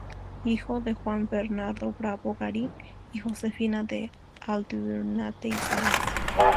Hijo de "Juan Bernardo Bravo Garín" y "Josefina de Aldunate y Salas".